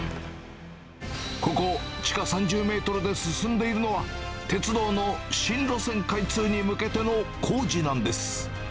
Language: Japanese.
ここ、地下３０メートルで進んでいるのは、鉄道の新路線開通に向けての工事なんです。